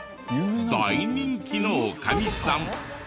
大人気の女将さん。